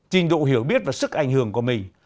trình độ hiểu biết và sức ảnh hưởng của mình